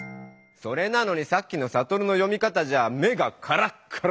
それなのにさっきのサトルの読み方じゃ目がカラッカラ！